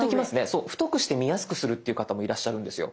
そう太くして見やすくするっていう方もいらっしゃるんですよ。